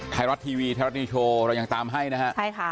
ไทยรัฐทีวีไทยรัฐนิวโชว์เรายังตามให้นะฮะใช่ค่ะ